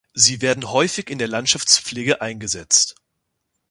Sie werden häufig in der Landschaftspflege eingesetzt.